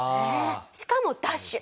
しかもダッシュ。